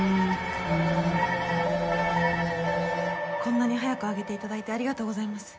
こんなに早く上げて頂いてありがとうございます。